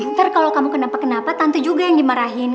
dokter kalau kamu kenapa kenapa tante juga yang dimarahin